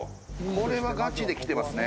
これはガチできてますね